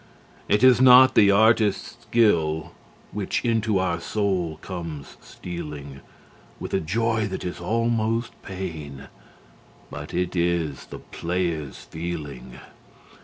It is not the artist's skill which into our soul comes stealing With a joy that is almost pain, but it is the player's feeling.